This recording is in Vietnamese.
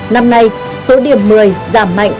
năm nay số điểm một mươi giảm mạnh